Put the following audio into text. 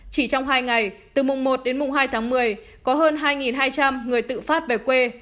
chỉ trong hai ngày từ mùng một đến mùng hai tháng một mươi có hơn hai hai trăm linh người tự phát về quê